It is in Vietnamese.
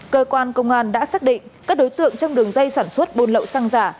cơ quan công an đã xác định các đối tượng trong đường dây sản xuất buôn lậu xăng giả